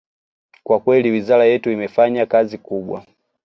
Kwa kweli wizara yetu imefanya kazi kubwa